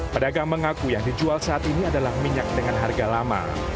pedagang mengaku yang dijual saat ini adalah minyak dengan harga lama